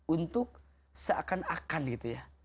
untuk seakan akan gitu ya